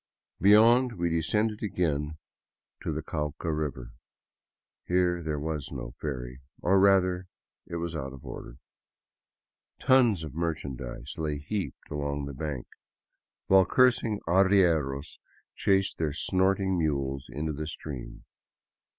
Beyond, we descended again to the Cauca river. Here there was no ferry, or rather, it was out of order. Tons of merchandise lay heaped along the bank, while cursing arrieros chased their snorting mules into the stream.